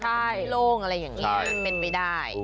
ใช่โล่งอะไรอย่างนี้เป็นไม่ได้